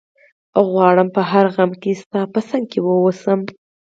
غواړم په هر غم کي ستا په څنګ کي ووسم